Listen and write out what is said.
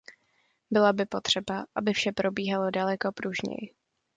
Byla by potřeba, aby vše probíhalo daleko pružněji.